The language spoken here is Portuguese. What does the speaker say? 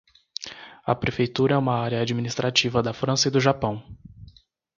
A prefeitura é uma área administrativa da França e do Japão.